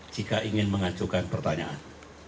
jika ingin mengacukan pertanyaan